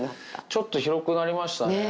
ちょっと広くなりましたね。